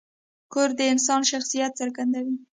کور د انسان شخصیت څرګندوي.